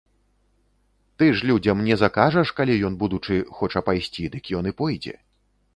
Ты ж людзям не закажаш, калі ён, будучы, хоча пайсці, дык ён і пойдзе.